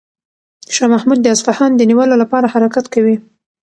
شاه محمود د اصفهان د نیولو لپاره حرکت کوي.